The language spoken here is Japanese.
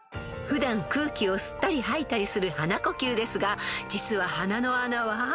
［普段空気を吸ったり吐いたりする鼻呼吸ですが実は鼻の穴は］